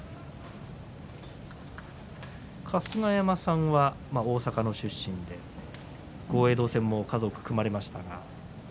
春日山さんは大阪の出身で豪栄道戦も数多く組まれましたね。